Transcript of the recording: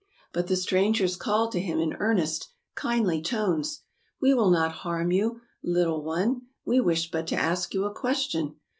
But the strangers called to him in earnest, kindly tones, will not harm you, little one, we wish but to ask you a question.